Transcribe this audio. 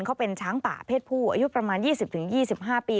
เขาเป็นช้างป่าเพศผู้อายุประมาณ๒๐๒๕ปี